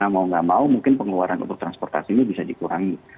mau nggak mau mungkin pengeluaran untuk transportasi ini bisa dikurangi